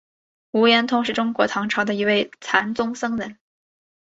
无言通是中国唐朝的一位禅宗僧人。